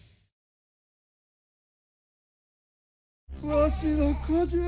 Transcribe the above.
わしの子じゃ！